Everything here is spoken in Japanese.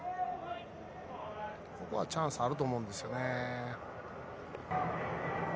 ここはチャンスあると思うんですよね。